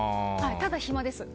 ただ、暇です。